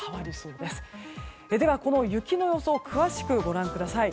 では、この雪の予想を詳しくご覧ください。